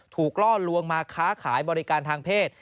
ล่อลวงมาค้าขายบริการทางเพศ